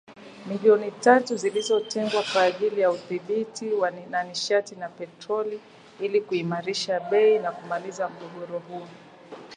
milioni tatu zilizotengwa kwa ajili ya Udhibiti wa Nishati na Petroli ili kuimarisha bei na kumaliza mgogoro huo.